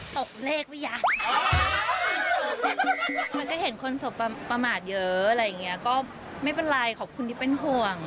ตกเลขหรือยังมันก็เห็นคนสบประมาทเยอะอะไรอย่างเงี้ยก็ไม่เป็นไรขอบคุณที่เป็นห่วง